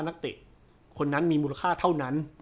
นักเตะคนนั้นมีมูลค่าเท่านั้น